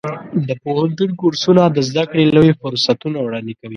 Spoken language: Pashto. د پوهنتون کورسونه د زده کړې لوی فرصتونه وړاندې کوي.